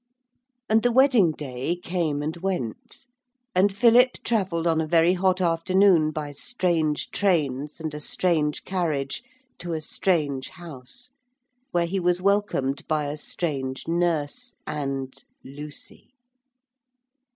And the wedding day came and went. And Philip travelled on a very hot afternoon by strange trains and a strange carriage to a strange house, where he was welcomed by a strange nurse and Lucy.